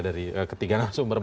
dari ketiga langsung